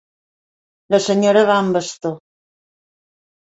La senyora va amb bastó.